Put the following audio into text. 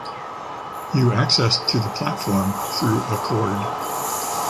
You access to the platform through a cord.